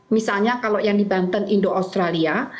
misalnya kalau yang di banten indo australia